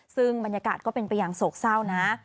ซึ่งบรรยากาศก็เป็นไปอย่างโศกเศร้านะ